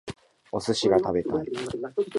お寿司が食べたい